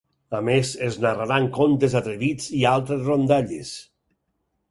A més, es narraran contes atrevits i altres rondalles.